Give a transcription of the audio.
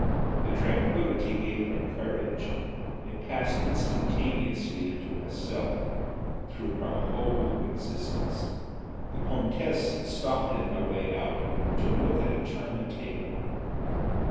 The tranquillity gave her courage, it passed instantaneously into herself, through her whole existence. The comtesse stopped in her way out, to look at a china table.